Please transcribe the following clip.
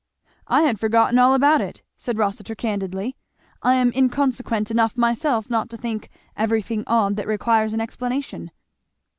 "I had forgotten all about it," said Rossitur candidly. "I am inconséquent enough myself not to think everything odd that requires an explanation."